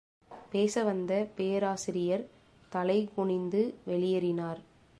பேசவந்த பேராசிரியர் தலை குனிந்து வெளியேறினார்.